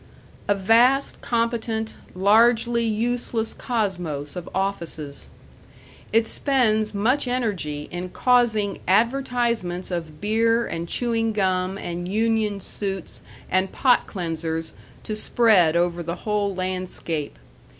A vast, competent, largely useless cosmos of offices. It spends much energy in causing advertisements of beer and chewing gum and union suits and pot cleansers to spread over the whole landscape.